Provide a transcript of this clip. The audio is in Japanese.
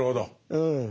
うん。